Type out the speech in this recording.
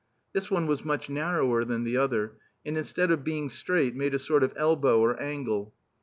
This one was much narrower than the other, and instead of being straight, made a sort of elbow or angle.